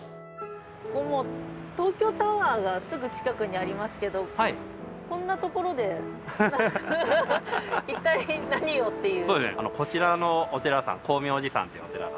東京タワーがすぐ近くにありますけどこんなところで一体何をっていう。